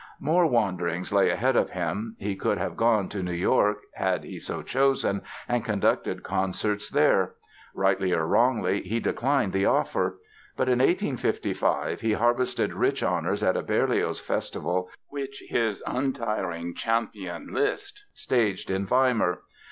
More wanderings lay ahead of him. He could have gone to New York, had he so chosen, and conducted concerts there. Rightly or wrongly he declined the offer. But in 1855 he harvested rich honors at a Berlioz Festival which his untiring champion, Liszt, staged in Weimar.